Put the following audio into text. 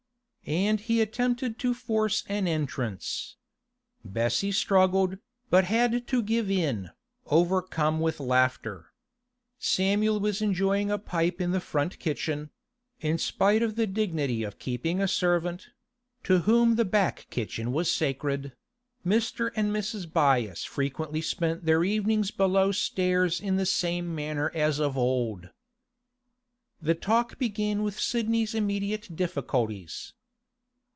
And he attempted to force an entrance. Bessie struggled, but had to give in, overcome with laughter. Samuel was enjoying a pipe in the front kitchen; in spite of the dignity of keeping a servant (to whom the back kitchen was sacred), Mr. and Mrs. Byass frequently spent their evenings below stairs in the same manner as of old. The talk began with Sidney's immediate difficulties.